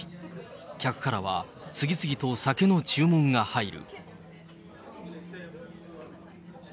客からは、次々と酒の注文が入る。